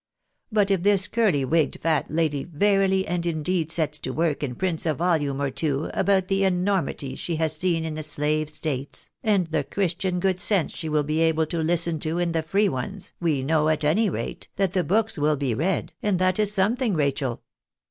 But if this curly wigged fat lady verily and indeed sets to work and prints a Volume or two about the enormities she has seen in the Slave States, and the Christian good sense she will be able to listen to in the Free ones, we know, at any rate, that the books will be read, and that is something, Rachel."